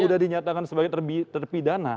sudah dinyatakan sebagai terpidana